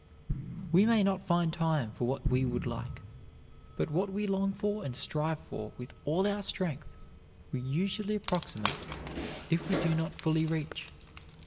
We may not find time for what we would like, but what we long for and strive for with all our strength, we usually approximate, if we do not fully reach.